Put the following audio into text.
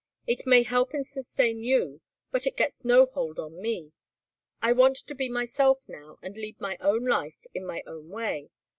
It may help and sustain you but it gets no hold on me. I want to be myself now and lead my own life in my own way.